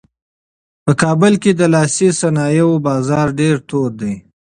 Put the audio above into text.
په کابل کې د لاسي صنایعو بازار ډېر تود دی.